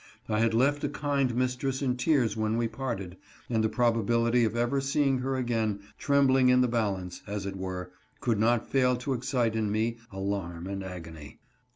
I had left a kind mistress in tears when we parted, and the probability of ever seeing her again, trembling in the 120 DREAD OF MASTER ANDREW. balance, as it were, could not fail to excite in me alarm and agony.